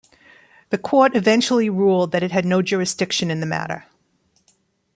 The court eventually ruled that it had no jurisdiction in the matter.